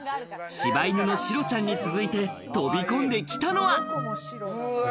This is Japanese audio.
柴犬のシロちゃんに続いて飛び込んできたのは。